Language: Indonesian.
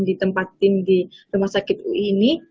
di tempat tim di rumah sakit ui ini